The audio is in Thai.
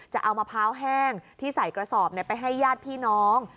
จะเอามะพร้าวแห้งที่ใส่กระสอบไปให้ญาติพี่น้อง